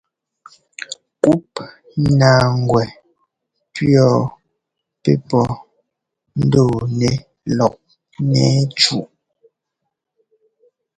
Ŋgup naaŋgwɛ pʉɔ́ pɛ́ pɔ́ ńdɔɔ nɛ lɔk ńnɛ́ɛ cúꞌ.